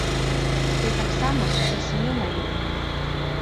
Ты таксама упершыню на ім.